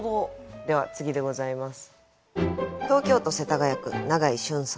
では次でございます。